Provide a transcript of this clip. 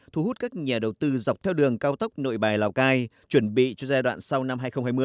thu hút các nhà đầu tư dọc theo đường cao tốc nội bài lào cai chuẩn bị cho giai đoạn sau năm hai nghìn hai mươi